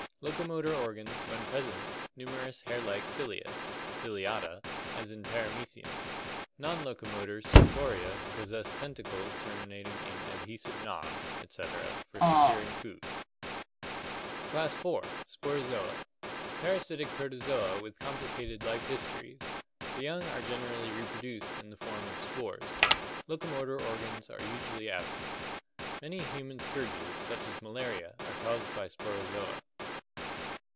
Locomotor organs, when present, numerous hair like cilia (Cilia ta), as in Paramecium. Non locomotor Suctoria possess tentacles terminating in adhesive knobs, etc., for securing food. 34 ORGANIC EVOLUTION Class IV. Sporozoa (Gr. <nro/oos, seed, and flow, animal). Par ' asitic Protozoa with complicated life histories. The young are generally reproduced in the form of spores. Locomotor organs usually absent. Many human scourges, such as malaria, are caused by Sporozoa.